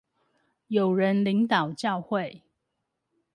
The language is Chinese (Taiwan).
有人領導教會